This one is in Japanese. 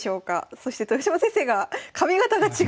そして豊島先生が髪形が違う！